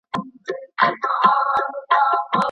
ولي کوښښ کوونکی د لایق کس په پرتله ښه ځلېږي؟